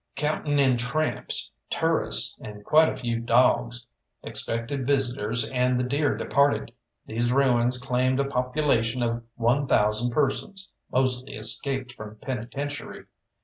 Counting in tramps, tourists, and quite a few dogs, expected visitors and the dear departed, these ruins claimed a population of one thousand persons, mostly escaped from penitentiary.